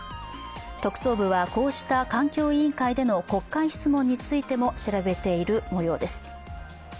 特捜部はこうした環境委員会での国会質問についても調べているもようです。